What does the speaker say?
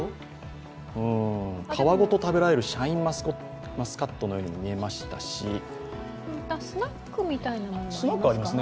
皮ごと食べられるシャインマスカットのようにも見えましたしスナックみたいなものもありますか。